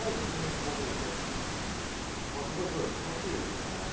こう見ると。わすごいすごい楽しいですね。